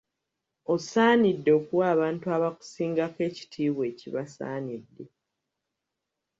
Osaanidde okuwa abantu abakusingako ekitiibwa ekibasaanidde.